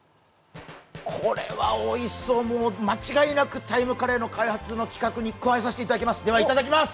これはおいしそう、間違いなく「ＴＩＭＥ，カレー」の開発の企画に加えさせていただきます。